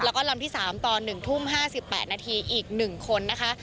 แล้วก็ลำที่๓ตอน๑ทุ่ม๕๘นาทีอีก๑คนนะคะ